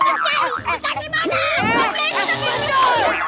kamu gak bisa pergi